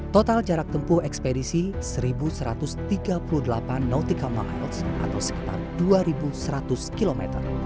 total jarak tempuh ekspedisi satu satu ratus tiga puluh delapan nautical miles atau sekitar dua seratus km